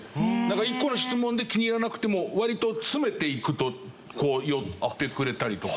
一個の質問で気に入らなくても割と詰めていくとこう寄ってくれたりとか。